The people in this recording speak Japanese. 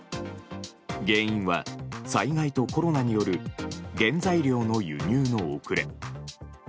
原因は、災害とコロナによる原材料の輸入の遅れ。